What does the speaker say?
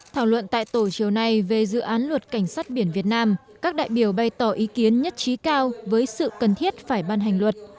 thảo luận tại tổ chiều nay về dự án luật cảnh sát biển việt nam các đại biểu bày tỏ ý kiến nhất trí cao với sự cần thiết phải ban hành luật